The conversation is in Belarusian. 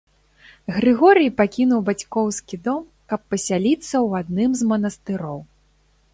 Грыгорый пакінуў бацькоўскі дом, каб пасяліцца ў адным з манастыроў.